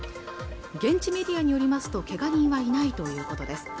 現地メディアによりますとけが人はいないということです